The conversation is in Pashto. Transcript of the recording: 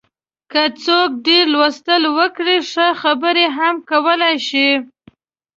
که څوک ډېر لوستل وکړي، ښه خبرې هم کولای شي.